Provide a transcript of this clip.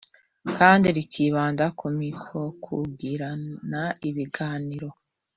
kandi rikibanda ku mikokugirana ibiganiro